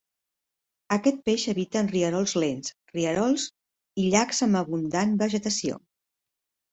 Aquest peix habita en rierols lents, rierols, i llacs amb abundant vegetació.